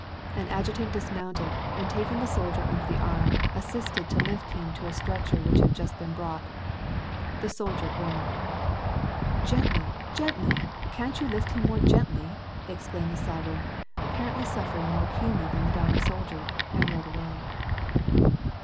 An adjutant dismounted, and taking the soldier under the arm, assisted to lift him to a stretcher which had just been brought. The soldier groaned. " Gently, gently ! can't you lift him more gently !" exclaimed the sovereign, apparently suffering more keenly than the dying soldier, and he rode away.